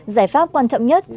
giải pháp quan trọng nhất